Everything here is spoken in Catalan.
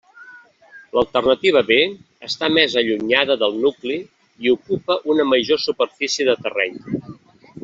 L'alternativa B està més allunyada del nucli i ocupa una major superfície de terreny.